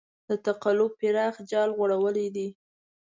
د تقلب پراخ جال غوړولی دی.